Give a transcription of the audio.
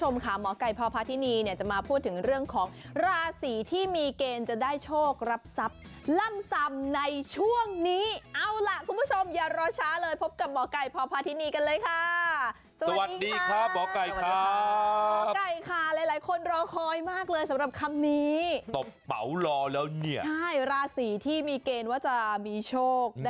มาในช่วงนี้มาตรวจสอบ